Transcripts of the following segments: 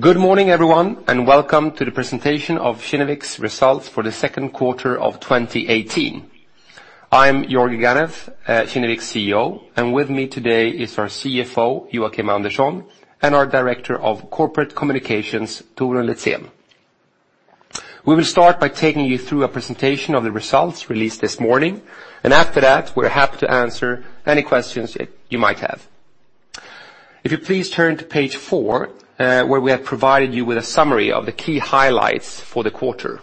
Good morning, everyone, welcome to the presentation of Kinnevik's results for the second quarter of 2018. I am Georgi Ganev, Kinnevik's CEO, and with me today is our CFO, Joakim Andersson, and our Director of Corporate Communications, Torun Litzén. We will start by taking you through a presentation of the results released this morning, and after that, we are happy to answer any questions that you might have. If you please turn to page four, where we have provided you with a summary of the key highlights for the quarter.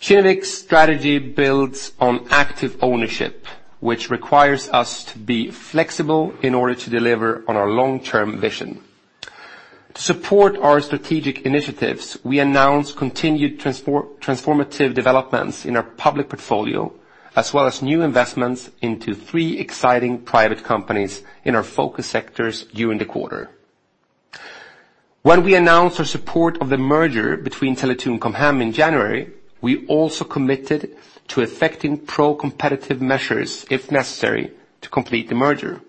Kinnevik's strategy builds on active ownership, which requires us to be flexible in order to deliver on our long-term vision. To support our strategic initiatives, we announce continued transformative developments in our public portfolio, as well as new investments into three exciting private companies in our focus sectors during the quarter. When we announced our support of the merger between Tele2 and Com Hem in January, we also committed to effecting pro-competitive measures, if necessary, to complete the merger.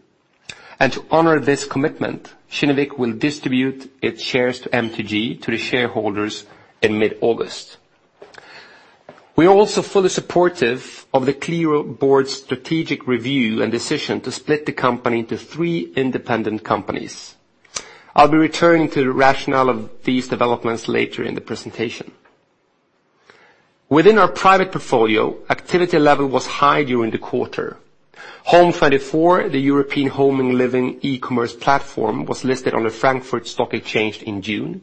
To honor this commitment, Kinnevik will distribute its shares to MTG to the shareholders in mid-August. We are also fully supportive of the Qliro board's strategic review and decision to split the company into three independent companies. I will be returning to the rationale of these developments later in the presentation. Within our private portfolio, activity level was high during the quarter. Home24, the European home and living e-commerce platform, was listed on the Frankfurt Stock Exchange in June,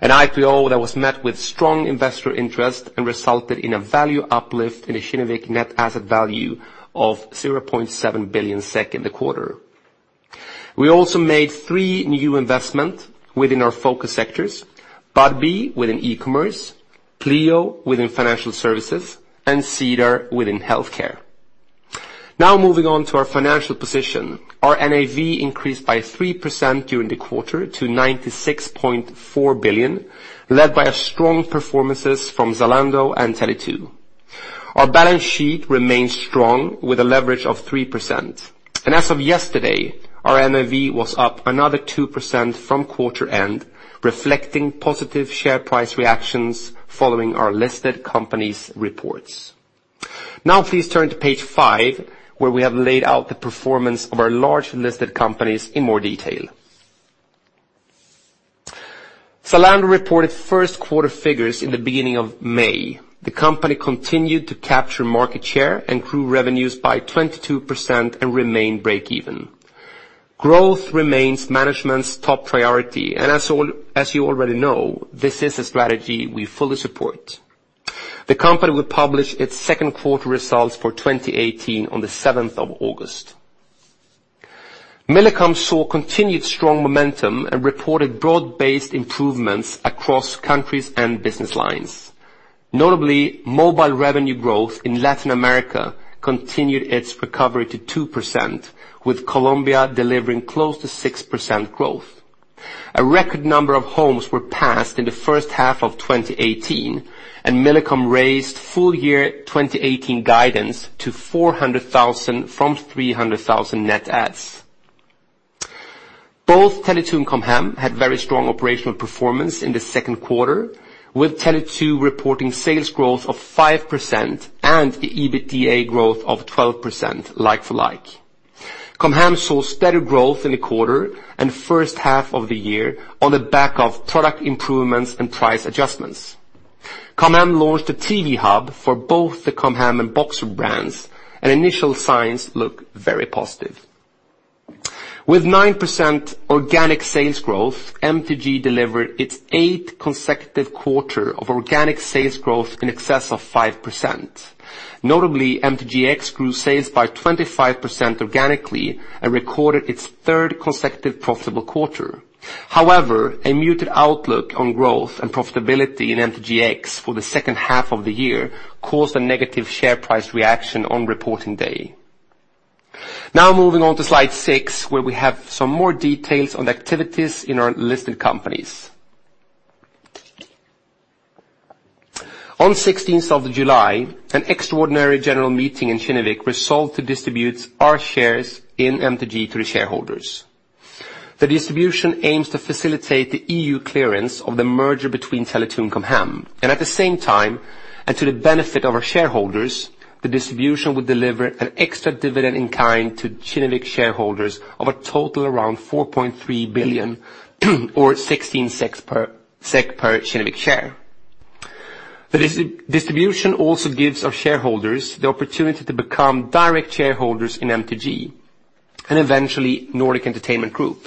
an IPO that was met with strong investor interest and resulted in a value uplift in the Kinnevik net asset value of 7.0 billion in the quarter. We also made three new investment within our focus sectors, Budbee within e-commerce, Pleo within financial services, and Cedar within healthcare. Moving on to our financial position. Our NAV increased by 3% during the quarter to 96.4 billion, led by strong performances from Zalando and Tele2. Our balance sheet remains strong with a leverage of 3%. As of yesterday, our NAV was up another 2% from quarter end, reflecting positive share price reactions following our listed companies' reports. Please turn to page five, where we have laid out the performance of our large listed companies in more detail. Zalando reported first quarter figures in the beginning of May. The company continued to capture market share and grew revenues by 22% and remained break even. Growth remains management's top priority, and as you already know, this is a strategy we fully support. The company will publish its second quarter results for 2018 on the 7th of August. Millicom saw continued strong momentum and reported broad-based improvements across countries and business lines. Notably, mobile revenue growth in Latin America continued its recovery to 2%, with Colombia delivering close to 6% growth. A record number of homes were passed in the first half of 2018, and Millicom raised full year 2018 guidance to 400,000 from 300,000 net adds. Both Tele2 and Com Hem had very strong operational performance in the second quarter, with Tele2 reporting sales growth of 5% and the EBITDA growth of 12% like for like. Com Hem saw steady growth in the quarter and first half of the year on the back of product improvements and price adjustments. Com Hem launched a TV hub for both the Com Hem and Boxer brands, initial signs look very positive. With 9% organic sales growth, MTG delivered its eighth consecutive quarter of organic sales growth in excess of 5%. Notably, MTGx grew sales by 25% organically and recorded its third consecutive profitable quarter. However, a muted outlook on growth and profitability in MTGx for the second half of the year caused a negative share price reaction on reporting day. Moving on to slide six, where we have some more details on the activities in our listed companies. On 16th of July, an extraordinary general meeting in Kinnevik resolved to distribute our shares in MTG to the shareholders. The distribution aims to facilitate the EU clearance of the merger between Tele2 and Com Hem. At the same time, and to the benefit of our shareholders, the distribution will deliver an extra dividend in kind to Kinnevik shareholders of a total around 4.3 billion or 16 SEK per Kinnevik share. The distribution also gives our shareholders the opportunity to become direct shareholders in MTG and eventually Nordic Entertainment Group,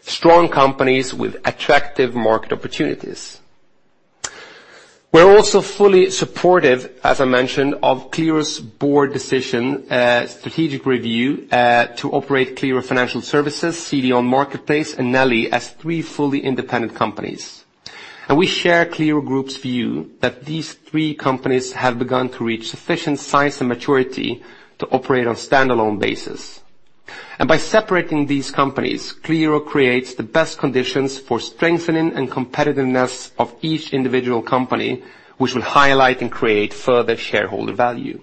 strong companies with attractive market opportunities. We're also fully supportive, as I mentioned, of Qliro's board decision strategic review to operate Qliro Financial Services, CDON Marketplace, and Nelly as three fully independent companies. We share Qliro Group's view that these three companies have begun to reach sufficient size and maturity to operate on a standalone basis. By separating these companies, Qliro creates the best conditions for strengthening and competitiveness of each individual company, which will highlight and create further shareholder value.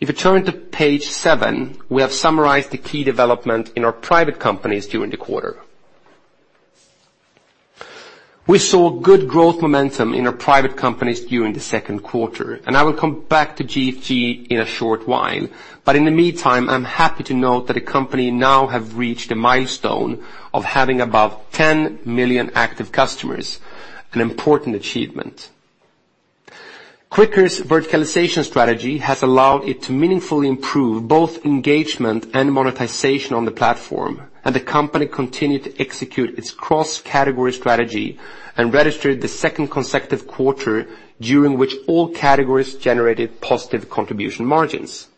If you turn to page seven, we have summarized the key development in our private companies during the quarter. We saw good growth momentum in our private companies during the second quarter, I will come back to GFG in a short while. In the meantime, I'm happy to note that the company now have reached a milestone of having above 10 million active customers, an important achievement. Quikr's verticalization strategy has allowed it to meaningfully improve both engagement and monetization on the platform, the company continued to execute its cross-category strategy and registered the second consecutive quarter during which all categories generated positive contribution margins.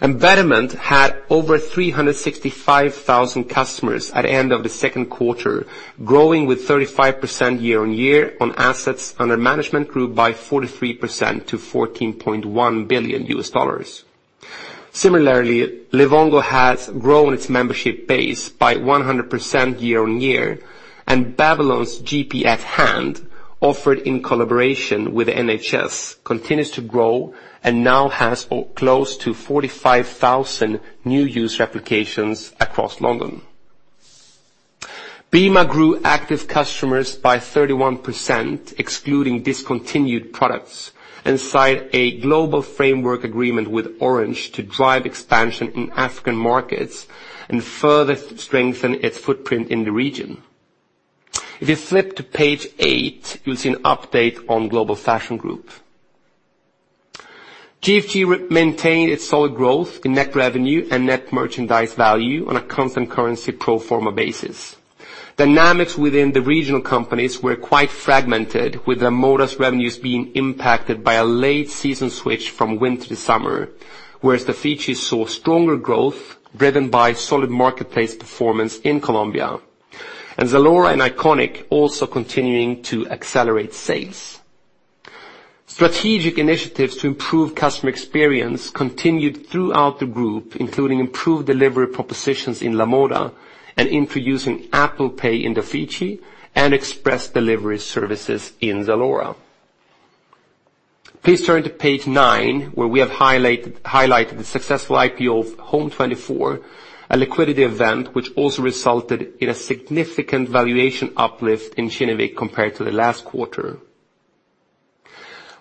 Betterment had over 365,000 customers at the end of the second quarter, growing with 35% year-on-year on assets under management grew by 43% to $14.1 billion. Similarly, Livongo has grown its membership base by 100% year-on-year, Babylon's GP at Hand, offered in collaboration with the NHS, continues to grow and now has close to 45,000 new user applications across London. Bima grew active customers by 31%, excluding discontinued products, and signed a global framework agreement with Orange to drive expansion in African markets and further strengthen its footprint in the region. If you flip to page eight, you'll see an update on Global Fashion Group. GFG maintained its solid growth in net revenue and net merchandise value on a constant currency pro forma basis. Dynamics within the regional companies were quite fragmented, with Lamoda's revenues being impacted by a late season switch from winter to summer, whereas Dafiti saw stronger growth driven by solid marketplace performance in Colombia, Zalora and Iconic also continuing to accelerate sales. Strategic initiatives to improve customer experience continued throughout the group, including improved delivery propositions in Lamoda and introducing Apple Pay in Dafiti and express delivery services in Zalora. Please turn to page nine, where we have highlighted the successful IPO of Home24, a liquidity event which also resulted in a significant valuation uplift in Kinnevik compared to the last quarter.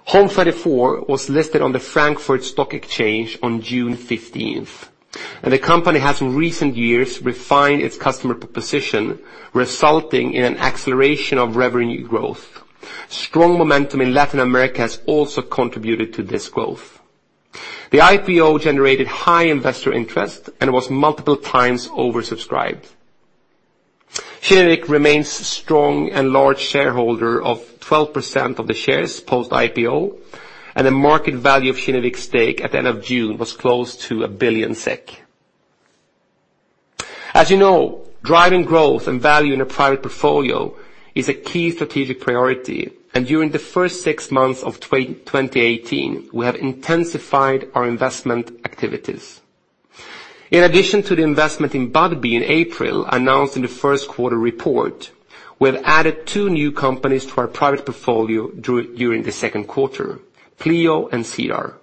Home24 was listed on the Frankfurt Stock Exchange on June 15th. The company has in recent years refined its customer proposition, resulting in an acceleration of revenue growth. Strong momentum in Latin America has also contributed to this growth. The IPO generated high investor interest and was multiple times oversubscribed. Kinnevik remains strong and large shareholder of 12% of the shares post-IPO. The market value of Kinnevik's stake at the end of June was close to 1 billion SEK. As you know, driving growth and value in a private portfolio is a key strategic priority. During the first six months of 2018, we have intensified our investment activities. In addition to the investment in Budbee in April, announced in the first quarter report, we have added two new companies to our private portfolio during the second quarter, Pleo and Cedar.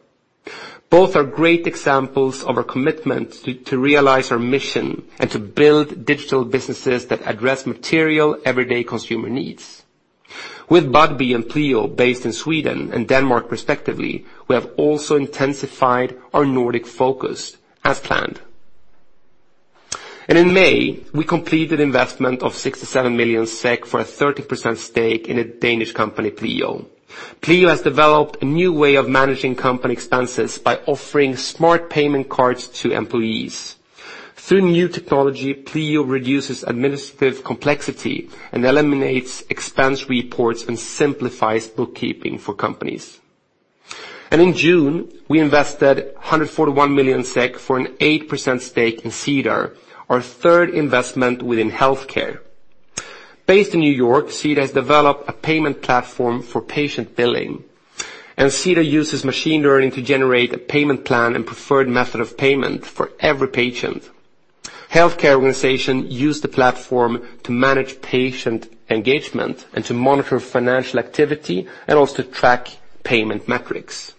Both are great examples of our commitment to realize our mission and to build digital businesses that address material everyday consumer needs. With Budbee and Pleo based in Sweden and Denmark respectively, we have also intensified our Nordic focus as planned. In May, we completed investment of 67 million SEK for a 30% stake in a Danish company, Pleo. Pleo has developed a new way of managing company expenses by offering smart payment cards to employees. Through new technology, Pleo reduces administrative complexity and eliminates expense reports and simplifies bookkeeping for companies. In June, we invested 141 million SEK for an 8% stake in Cedar, our third investment within healthcare. Based in New York, Cedar has developed a payment platform for patient billing. Cedar uses machine learning to generate a payment plan and preferred method of payment for every patient. Healthcare organizations use the platform to manage patient engagement and to monitor financial activity, and also to track payment metrics.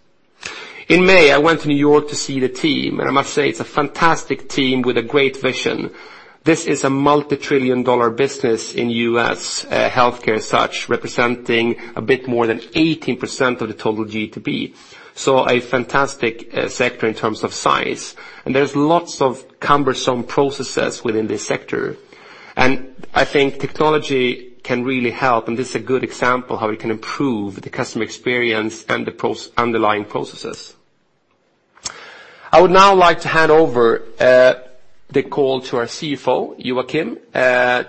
In May, I went to New York to see the team. I must say it's a fantastic team with a great vision. This is a multi-trillion-dollar business in U.S. healthcare as such, representing a bit more than 18% of the total GDP. A fantastic sector in terms of size. There's lots of cumbersome processes within this sector. I think technology can really help, and this is a good example how we can improve the customer experience and the underlying processes. I would now like to hand over the call to our CFO, Joakim,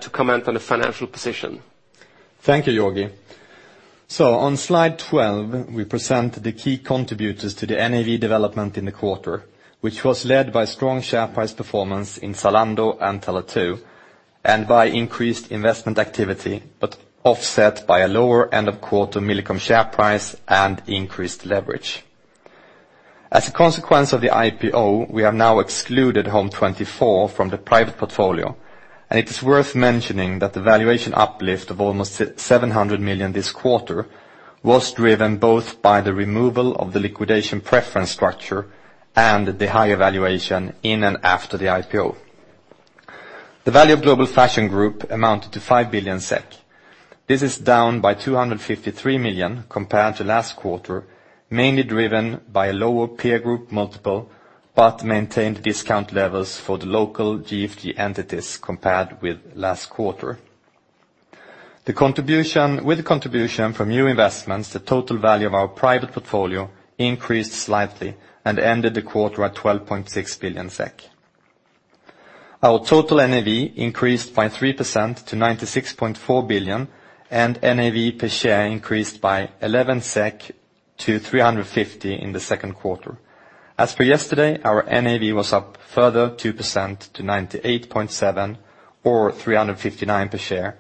to comment on the financial position. Thank you, Georgi. On slide 12, we present the key contributors to the NAV development in the quarter, which was led by strong share price performance in Zalando and Tele2, by increased investment activity, but offset by a lower end-of-quarter Millicom share price and increased leverage. As a consequence of the IPO, we have now excluded Home24 from the private portfolio. It is worth mentioning that the valuation uplift of almost 700 million this quarter was driven both by the removal of the liquidation preference structure and the higher valuation in and after the IPO. The value of Global Fashion Group amounted to 5 billion SEK. This is down by 253 million compared to last quarter, mainly driven by a lower peer group multiple, but maintained discount levels for the local GFG entities compared with last quarter. With the contribution from new investments, the total value of our private portfolio increased slightly and ended the quarter at 12.6 billion SEK. Our total NAV increased by 3% to 96.4 billion, and NAV per share increased by 11 SEK to 350 in the second quarter. As per yesterday, our NAV was up further 2% to 98.7 or 359 per share,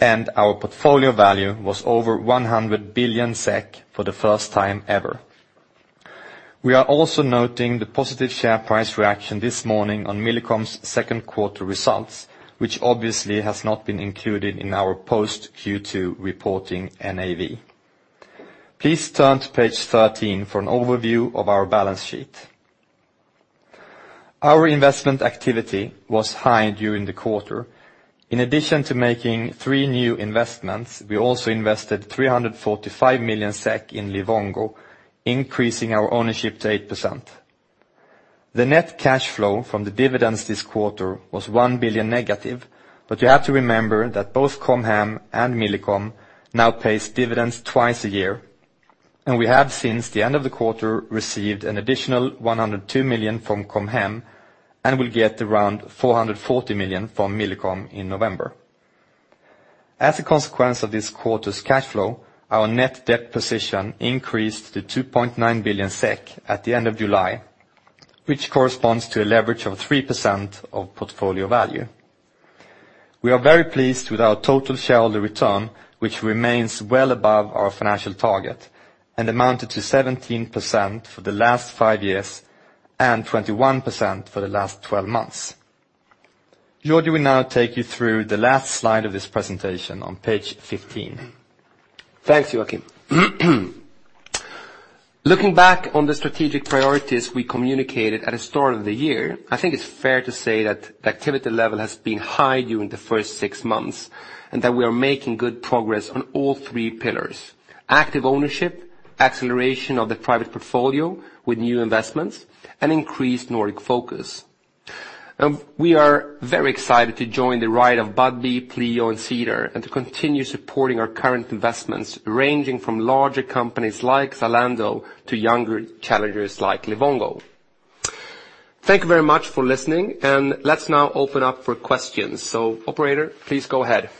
and our portfolio value was over 100 billion SEK for the first time ever. We are also noting the positive share price reaction this morning on Millicom's second quarter results, which obviously has not been included in our post Q2 reporting NAV. Please turn to page 13 for an overview of our balance sheet. Our investment activity was high during the quarter. In addition to making three new investments, we also invested 345 million SEK in Livongo, increasing our ownership to 8%. The net cash flow from the dividends this quarter was 1 billion negative. You have to remember that both Com Hem and Millicom now pay dividends twice a year, and we have since the end of the quarter received an additional 102 million from Com Hem and will get around 440 million from Millicom in November. As a consequence of this quarter's cash flow, our net debt position increased to 2.9 billion SEK at the end of July, which corresponds to a leverage of 3% of portfolio value. We are very pleased with our total shareholder return, which remains well above our financial target and amounted to 17% for the last five years and 21% for the last 12 months. Georgi will now take you through the last slide of this presentation on page 15. Thanks, Joakim. Looking back on the strategic priorities we communicated at the start of the year, I think it's fair to say that the activity level has been high during the first six months, and that we are making good progress on all three pillars. Active ownership, acceleration of the private portfolio with new investments, and increased Nordic focus. We are very excited to join the ride of Budbee, Pleo, and Cedar, and to continue supporting our current investments, ranging from larger companies like Zalando to younger challengers like Livongo. Thank you very much for listening. Let's now open up for questions. Operator, please go ahead.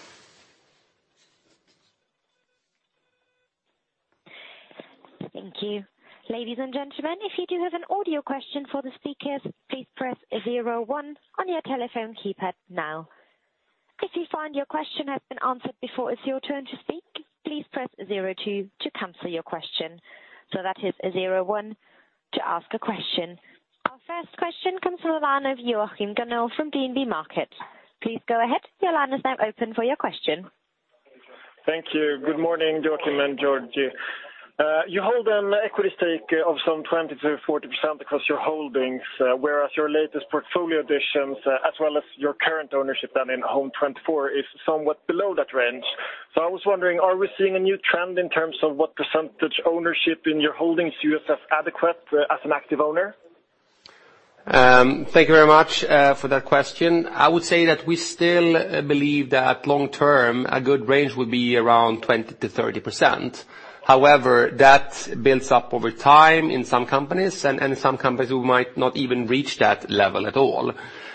Thank you. Ladies and gentlemen, if you do have an audio question for the speakers, please press 01 on your telephone keypad now. If you find your question has been answered before it's your turn to speak, please press 02 to cancel your question. That is 01 to ask a question. Our first question comes from the line of Joachim Gunell from DNB Markets. Please go ahead. Your line is now open for your question. Thank you. Good morning, Joakim and Georgi. You hold an equity stake of some 20%-40% across your holdings, whereas your latest portfolio additions, as well as your current ownership then in Home24 is somewhat below that range. I was wondering, are we seeing a new trend in terms of what percentage ownership in your holdings you assess adequate as an active owner? Thank you very much for that question. I would say that we still believe that long term a good range would be around 20%-30%. However, that builds up over time in some companies, and some companies who might not even reach that level at all.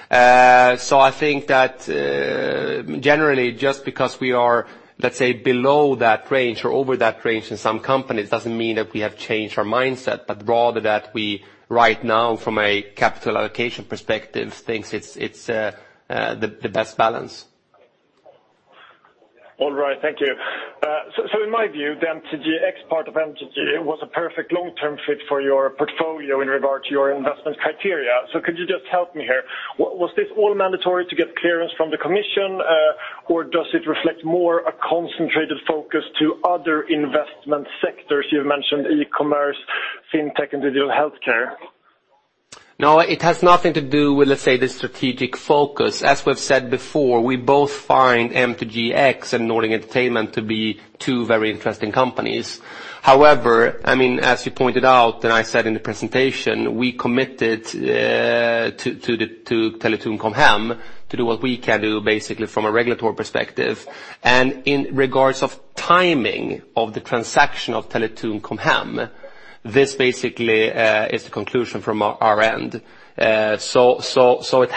I think that generally just because we are, let's say, below that range or over that range in some companies doesn't mean that we have changed our mindset, but rather that we right now from a capital allocation perspective think it's the best balance. All right. Thank you. In my view, the MTGx part of MTG was a perfect long-term fit for your portfolio in regard to your investment criteria. Could you just help me here? Was this all mandatory to get clearance from the commission? Or does it reflect more a concentrated focus to other investment sectors? You mentioned e-commerce, fintech, and digital healthcare. No, it has nothing to do with, let's say, the strategic focus. As we've said before, we both find MTGx and Nordic Entertainment to be two very interesting companies. However, as you pointed out and I said in the presentation, we committed to Tele2 and Com Hem to do what we can do basically from a regulatory perspective, and in regards of timing of the transaction of Tele2 and Com Hem, this basically is the conclusion from our end. It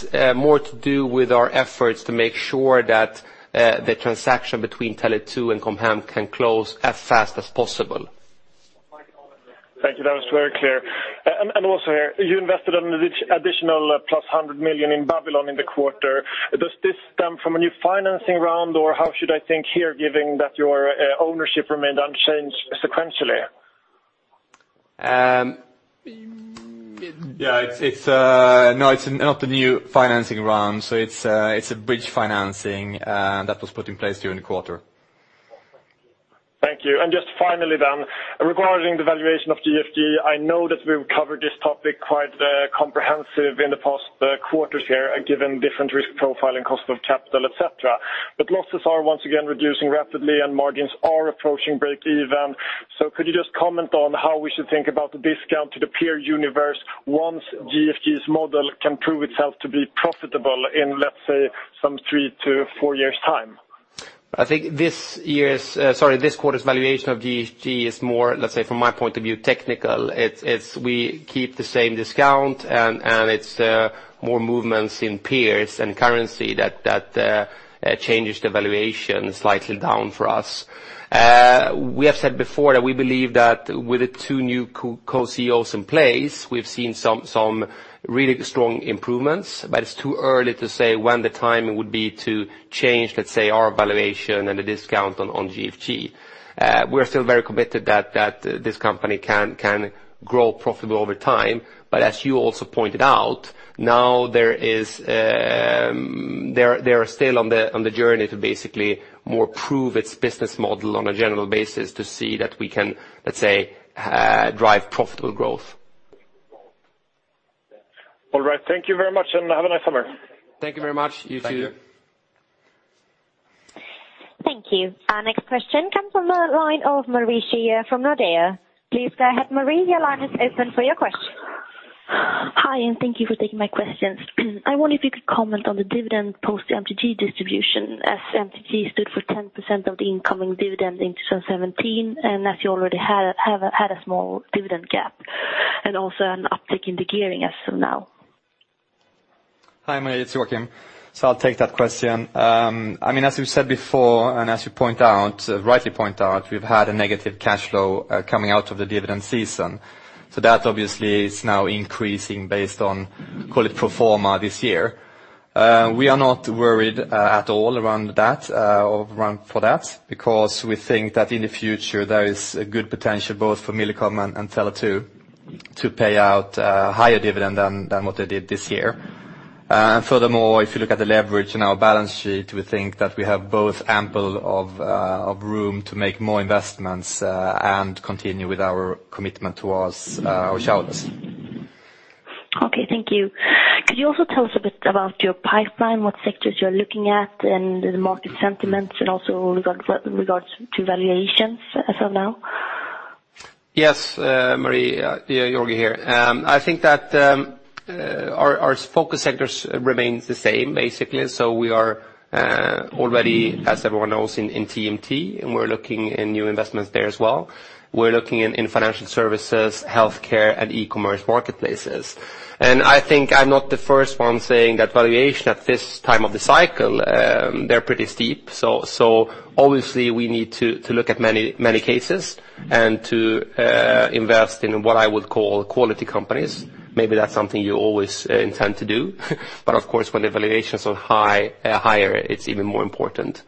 has more to do with our efforts to make sure that the transaction between Tele2 and Com Hem can close as fast as possible. Thank you. That was very clear. Also here, you invested an additional plus 100 million in Babylon in the quarter. Does this stem from a new financing round, or how should I think here, given that your ownership remained unchanged sequentially? No, it's not the new financing round. It's a bridge financing that was put in place during the quarter. Thank you. Just finally then, regarding the valuation of GFG, I know that we've covered this topic quite comprehensive in the past quarters here, given different risk profiling, cost of capital, et cetera. Losses are once again reducing rapidly and margins are approaching break-even. Could you just comment on how we should think about the discount to the peer universe once GFG's model can prove itself to be profitable in, let's say, some three to four years time? I think this quarter's valuation of GFG is more, let's say from my point of view, technical. We keep the same discount, and it's more movements in peers and currency that changes the valuation slightly down for us. We have said before that we believe that with the two new co-CEOs in place, we've seen some really strong improvements, but it's too early to say when the time would be to change, let's say, our valuation and the discount on GFG. We're still very committed that this company can grow profitable over time. As you also pointed out, now they are still on the journey to basically more prove its business model on a general basis to see that we can, let's say, drive profitable growth. All right. Thank you very much and have a nice summer. Thank you very much. You too. Thank you. Our next question comes from the line of Marie Scheer from Nordea. Please go ahead, Marie. Your line is open for your question. Hi. Thank you for taking my questions. I wonder if you could comment on the dividend post the MTG distribution, as MTG stood for 10% of the incoming dividend in 2017, and as you already had a small dividend gap and also an uptick in the gearing as from now. Hi, Marie. It's Joakim. I'll take that question. As we've said before and as you rightly point out, we've had a negative cash flow coming out of the dividend season. That obviously is now increasing based on, call it pro forma this year. We are not worried at all around for that because we think that in the future there is a good potential both for Millicom and Tele2 to pay out higher dividend than what they did this year. Furthermore, if you look at the leverage in our balance sheet, we think that we have both ample of room to make more investments and continue with our commitment towards our shareholders. Okay, thank you. Could you also tell us a bit about your pipeline, what sectors you're looking at and the market sentiments and also with regards to valuations as of now? Yes, Marie. Joakim here. I think that our focus sectors remains the same basically. We are already, as everyone knows, in TMT and we're looking in new investments there as well. We're looking in financial services, healthcare and e-commerce marketplaces. I think I'm not the first one saying that valuation at this time of the cycle, they're pretty steep. Obviously we need to look at many cases and to invest in what I would call quality companies. Maybe that's something you always intend to do. Of course when the valuations are higher, it's even more important.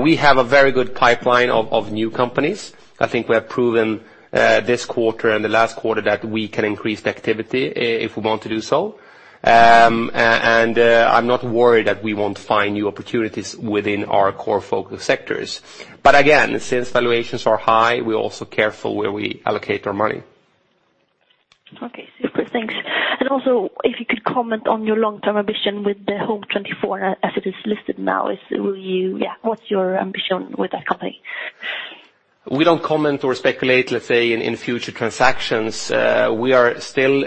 We have a very good pipeline of new companies. I think we have proven this quarter and the last quarter that we can increase the activity if we want to do so. I'm not worried that we won't find new opportunities within our core focus sectors. Again, since valuations are high, we're also careful where we allocate our money. Okay, super. Thanks. Also if you could comment on your long-term ambition with Home24 as it is listed now. What's your ambition with that company? We don't comment or speculate, let's say, in future transactions. We are still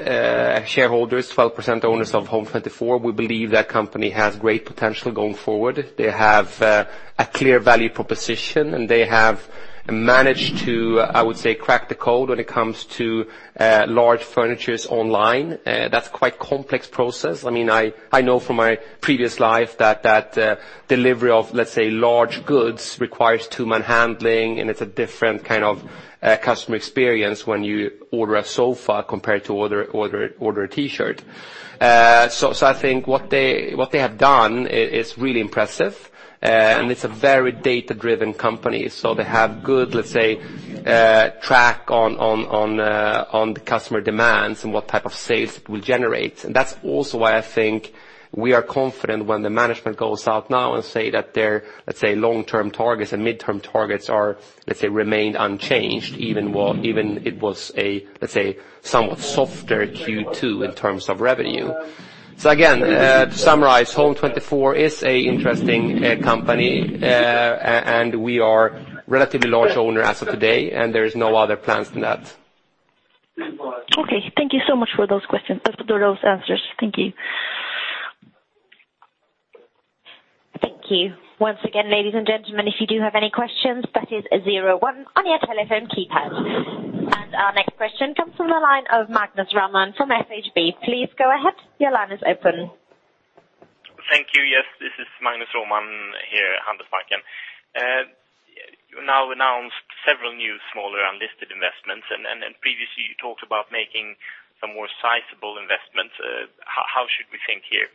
shareholders, 12% owners of Home24. We believe that company has great potential going forward. They have a clear value proposition and they have managed to, I would say, crack the code when it comes to large furnitures online. That's quite complex process. I know from my previous life that delivery of large goods requires two-man handling and it's a different kind of customer experience when you order a sofa compared to order a T-shirt. I think what they have done is really impressive and it's a very data-driven company. They have good track on the customer demands and what type of sales it will generate. That's also why I think we are confident when the management goes out now and say that their long-term targets and midterm targets remain unchanged, even it was a somewhat softer Q2 in terms of revenue. Again, to summarize, Home24 is a interesting company and we are relatively large owner as of today and there is no other plans than that. Okay. Thank you so much for those answers. Thank you. Thank you. Once again, ladies and gentlemen, if you do have any questions, that is zero one on your telephone keypad. Our next question comes from the line of Magnus Roman from SHB. Please go ahead. Your line is open. Thank you. Yes, this is Magnus Roman here at Handelsbanken. You now announced several new smaller unlisted investments and previously you talked about making some more sizable investments. How should we think here?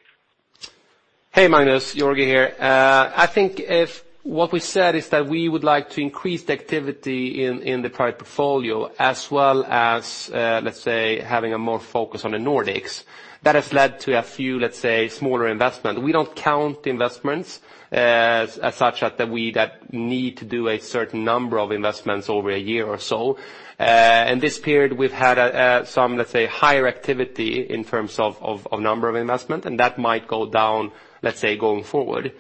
Hey, Magnus. Georgi here. I think if what we said is that we would like to increase the activity in the private portfolio as well as, let's say, having a more focus on the Nordics, that has led to a few, let's say, smaller investment. We don't count investments as such that we need to do a certain number of investments over a year or so. In this period, we've had some, let's say, higher activity in terms of number of investment and that might go down, let's say, going forward.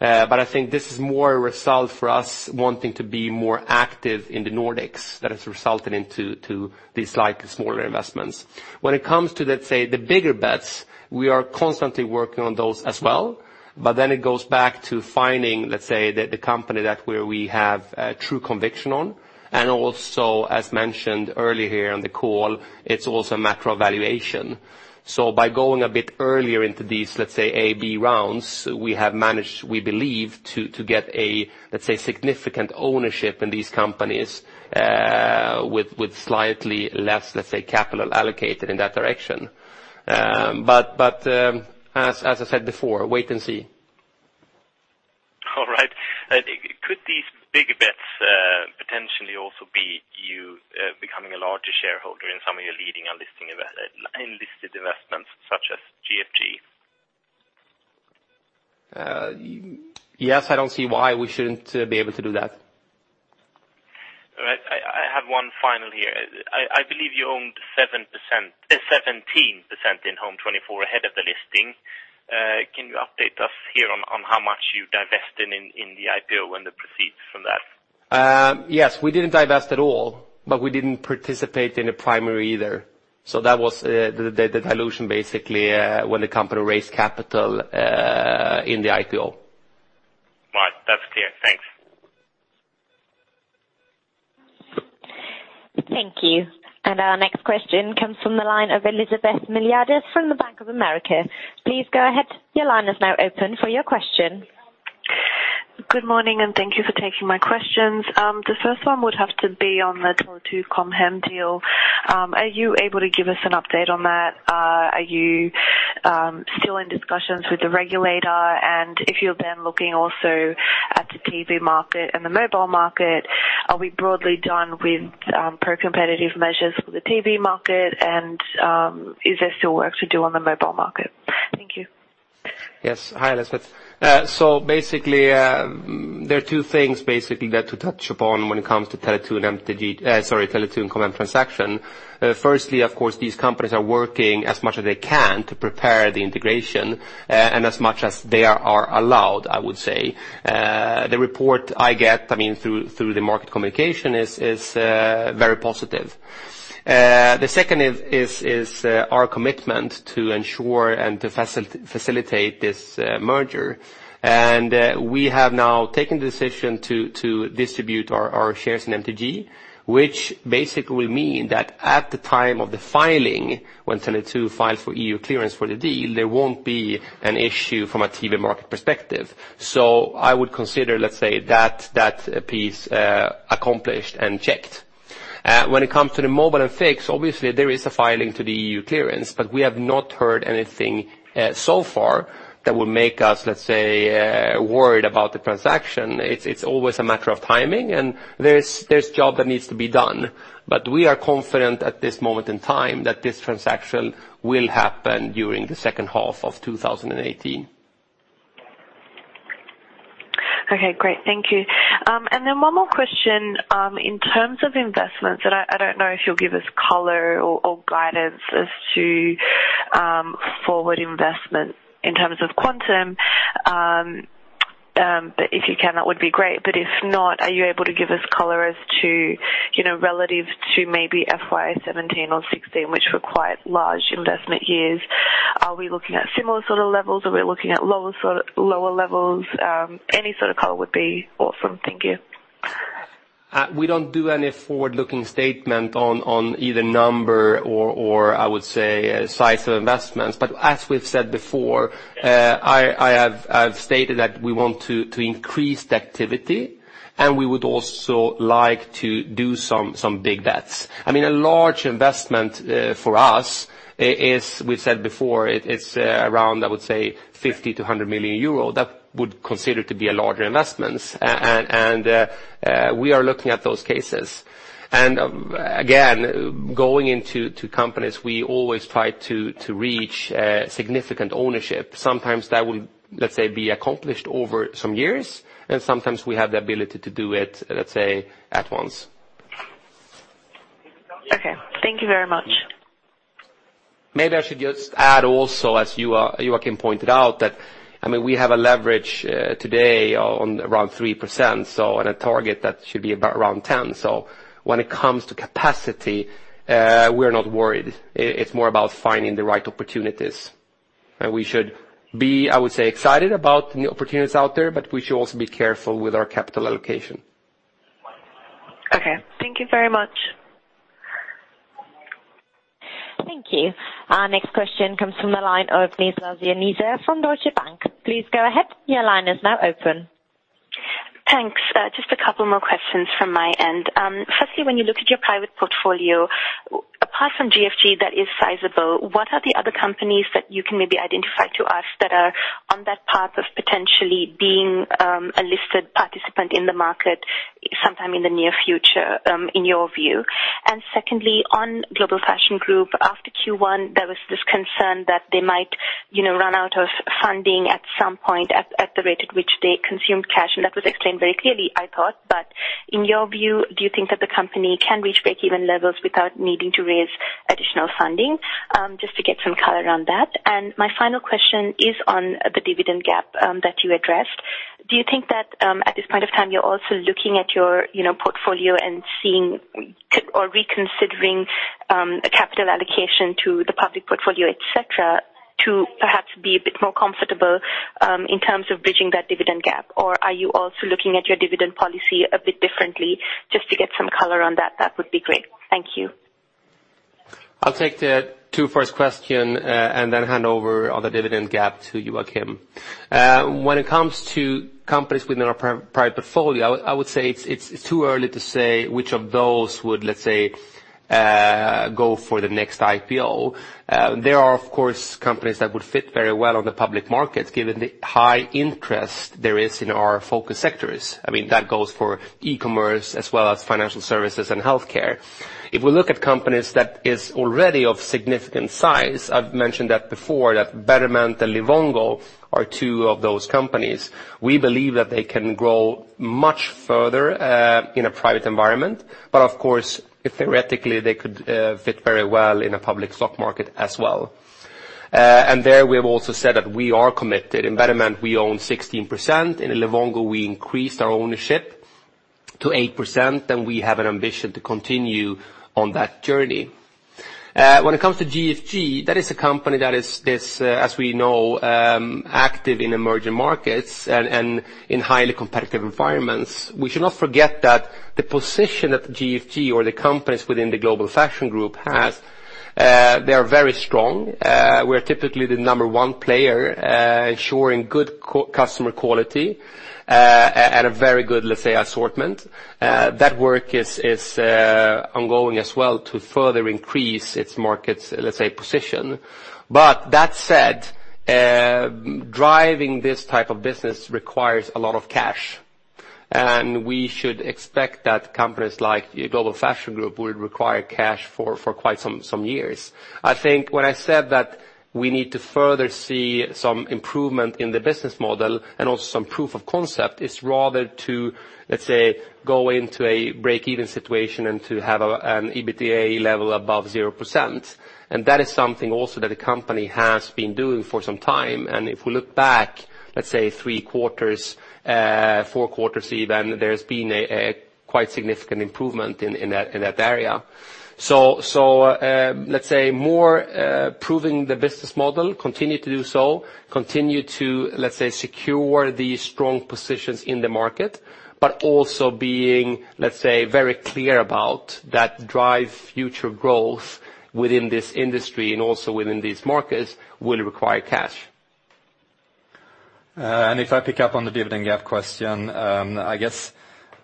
I think this is more a result for us wanting to be more active in the Nordics that has resulted into these slight smaller investments. When it comes to, let's say, the bigger bets, we are constantly working on those as well, it goes back to finding, let's say, the company that where we have true conviction on. Also, as mentioned earlier here on the call, it is also a matter of valuation. By going a bit earlier into these, let's say, A, B rounds, we have managed, we believe, to get a, let's say, significant ownership in these companies, with slightly less, let's say, capital allocated in that direction. As I said before, wait and see. All right. Could these big bets potentially also be you becoming a larger shareholder in some of your leading unlisted investments such as GFG? Yes, I don't see why we shouldn't be able to do that. All right. I have one final here. I believe you owned 17% in Home24 ahead of the listing. Can you update us here on how much you divested in the IPO and the proceeds from that? Yes, we didn't divest at all, we didn't participate in the primary either. That was the dilution basically, when the company raised capital in the IPO. Right. That's clear. Thanks. Thank you. Our next question comes from the line of Elisabetta Meucci from the Bank of America. Please go ahead. Your line is now open for your question. Good morning, thank you for taking my questions. The first one would have to be on the Tele2 Com Hem deal. Are you able to give us an update on that? Are you still in discussions with the regulator? If you're then looking also at the TV market and the mobile market, are we broadly done with pro-competitive measures for the TV market? Is there still work to do on the mobile market? Thank you. Yes. Hi, Elisabetta. There are two things to touch upon when it comes to Tele2 and Com Hem transaction. Firstly, of course, these companies are working as much as they can to prepare the integration, and as much as they are allowed, I would say. The report I get through the market communication is very positive. The second is our commitment to ensure and to facilitate this merger. We have now taken the decision to distribute our shares in MTG, which basically will mean that at the time of the filing, when Tele2 files for EU clearance for the deal, there won't be an issue from a TV market perspective. I would consider, let's say, that piece accomplished and checked. When it comes to the mobile and fixed, obviously there is a filing to the EU clearance, but we have not heard anything so far that would make us, let's say, worried about the transaction. It's always a matter of timing, and there's job that needs to be done. We are confident at this moment in time that this transaction will happen during the second half of 2018. Okay, great. Thank you. One more question, in terms of investments, and I don't know if you'll give us color or guidance as to forward investment in terms of quantum. If you can, that would be great. If not, are you able to give us color as to relative to maybe FY 2017 or 2016, which were quite large investment years? Are we looking at similar sort of levels? Are we looking at lower levels? Any sort of color would be awesome. Thank you. We don't do any forward-looking statement on either number or I would say size of investments. As we've said before, I've stated that we want to increase the activity, and we would also like to do some big bets. A large investment for us is, we've said before, it's around, I would say 50 million EUR-100 million EUR. That would consider to be a larger investments. Again, going into 2 companies, we always try to reach significant ownership. Sometimes that will, let's say, be accomplished over some years, and sometimes we have the ability to do it, let's say, at once. Okay. Thank you very much. Maybe I should just add also, as Joakim pointed out, that we have a leverage today on around 3%, and a target that should be about around 10. When it comes to capacity, we're not worried. It's more about finding the right opportunities. We should be, I would say, excited about new opportunities out there, but we should also be careful with our capital allocation. Okay. Thank you very much. Thank you. Our next question comes from the line of Lisa Zanisa from Deutsche Bank. Please go ahead. Your line is now open. Thanks. Just a couple more questions from my end. Firstly, when you look at your private portfolio, apart from GFG that is sizable, what are the other companies that you can maybe identify to us that are on that path of potentially being a listed participant in the market sometime in the near future, in your view? Secondly, on Global Fashion Group, after Q1, there was this concern that they might run out of funding at some point at the rate at which they consumed cash. That was explained very clearly, I thought. In your view, do you think that the company can reach breakeven levels without needing to raise additional funding? Just to get some color on that. My final question is on the dividend gap that you addressed. Do you think that at this point of time you're also looking at your portfolio and seeing or reconsidering a capital allocation to the public portfolio, et cetera, to perhaps be a bit more comfortable in terms of bridging that dividend gap? Are you also looking at your dividend policy a bit differently? Just to get some color on that would be great. Thank you. I'll take the two first question and then hand over on the dividend gap to you, Joakim. When it comes to companies within our private portfolio, I would say it's too early to say which of those would, let's say, go for the next IPO. There are, of course, companies that would fit very well on the public markets given the high interest there is in our focus sectors. That goes for e-commerce as well as financial services and healthcare. If we look at companies that is already of significant size, I've mentioned that before, that Betterment and Livongo are two of those companies. We believe that they can grow much further in a private environment. Of course, theoretically they could fit very well in a public stock market as well. There we have also said that we are committed. In Betterment we own 16%, in Livongo we increased our ownership to 8% and we have an ambition to continue on that journey. When it comes to GFG, that is a company that is this, as we know, active in emerging markets and in highly competitive environments. We should not forget that the position that GFG or the companies within the Global Fashion Group has, they are very strong. We're typically the number 1 player ensuring good customer quality at a very good, let's say, assortment. That work is ongoing as well to further increase its markets, let's say, position. That said, driving this type of business requires a lot of cash, and we should expect that companies like Global Fashion Group would require cash for quite some years. When I said that we need to further see some improvement in the business model and also some proof of concept is rather to, let's say, go into a breakeven situation and to have an EBITDA level above 0%. That is something also that the company has been doing for some time. If we look back, let's say three quarters, four quarters even, there has been a quite significant improvement in that area. Let's say more proving the business model, continue to do so, continue to secure the strong positions in the market, but also being very clear about that drive future growth within this industry and also within these markets will require cash. If I pick up on the dividend gap question, I guess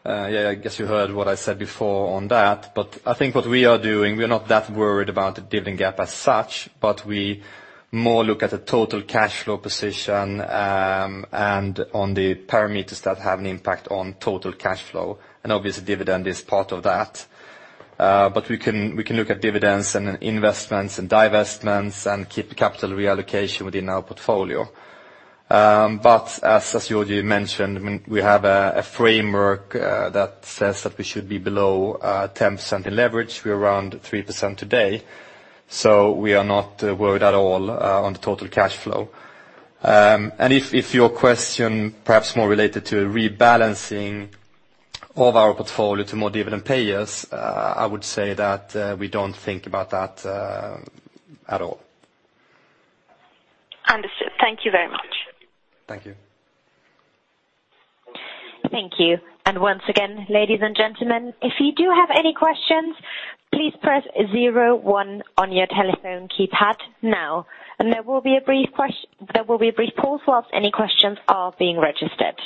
you heard what I said before on that, but I think what we are doing, we are not that worried about the dividend gap as such, but we more look at the total cash flow position and on the parameters that have an impact on total cash flow. Obviously dividend is part of that. We can look at dividends and investments and divestments and keep capital reallocation within our portfolio. As Georgi mentioned, we have a framework that says that we should be below 10% in leverage. We are around 3% today. We are not worried at all on the total cash flow. If your question perhaps more related to rebalancing of our portfolio to more dividend payers, I would say that we don't think about that at all. Understood. Thank you very much. Thank you. Thank you. Once again, ladies and gentlemen, if you do have any questions, please press zero one on your telephone keypad now, there will be a brief pause whilst any questions are being registered.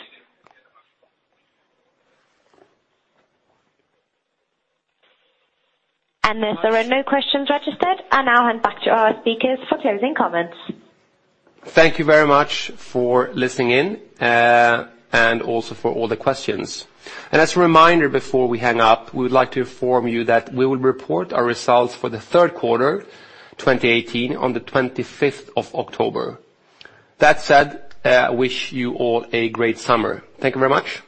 There are no questions registered. I now hand back to our speakers for closing comments. Thank you very much for listening in and also for all the questions. As a reminder before we hang up, we would like to inform you that we will report our results for the third quarter 2018 on the 25th of October. That said, I wish you all a great summer. Thank you very much.